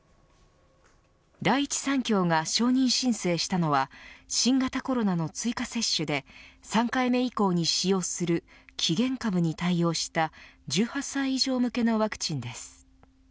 第一三共が承認申請したのは新型コロナの追加接種で３回目以降に使用する起源株に対応した１８歳以上向けのワクチンです。